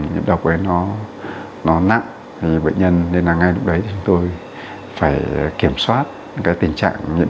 nhiễm độc ấy nó nó nặng thì bệnh nhân nên là ngay lúc đấy tôi phải kiểm soát cái tình trạng nhiễm